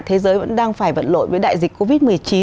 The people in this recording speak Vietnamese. thế giới vẫn đang phải vận lội với đại dịch covid một mươi chín